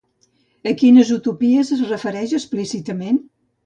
A quines utopies es refereix, explícitament?